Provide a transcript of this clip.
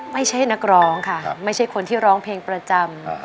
ไม่ใช่นักร้องค่ะไม่ใช่คนที่ร้องเพลงประจำ